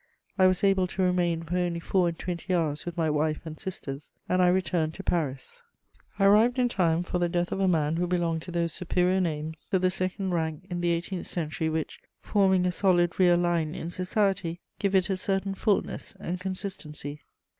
I was able to remain for only four and twenty hours with my wife and sisters, and I returned to Paris. * I arrived in time for the death of a man who belonged to those superior names of the second rank in the eighteenth century which, forming a solid rear line in society, gave it a certain fulness and consistency.